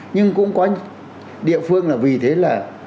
nhưng cũng có địa phương là vì thế là